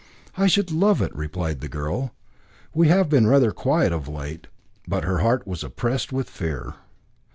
"I should love it," replied the girl; "we have been rather quiet of late." But her heart was oppressed with fear.